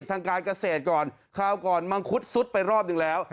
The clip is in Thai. ทางการเกษตรก่อนคราวก่อนมังคุดซุดไปรอบหนึ่งแล้ว